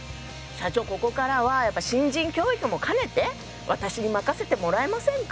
社長ここからはやっぱ新人教育も兼ねて私に任せてもらえませんか？